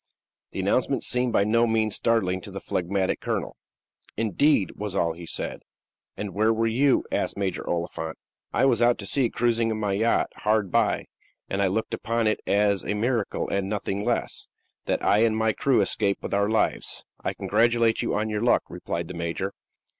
The announcement seemed by no means startling to the phlegmatic colonel. "Indeed!" was all he said. "And where were you?" asked Major Oliphant. "I was out at sea, cruising in my yacht; hard by; and I look upon it as a miracle, and nothing less, that I and my crew escaped with our lives." "I congratulate you on your luck," replied the major.